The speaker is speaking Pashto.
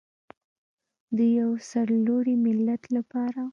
د یو سرلوړي ملت لپاره.